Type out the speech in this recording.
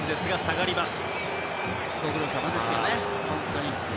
ご苦労さまですよね本当に。